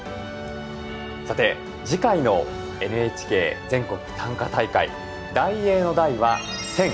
さて次回のＮＨＫ全国短歌大会題詠の題は「千」。